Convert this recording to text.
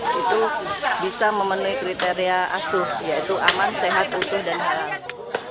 itu bisa memenuhi kriteria asuh yaitu aman sehat utuh dan halal